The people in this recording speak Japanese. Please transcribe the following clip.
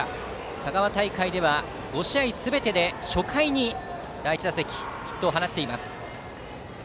香川大会では５試合すべてで初回に第１打席、ヒットを放っています。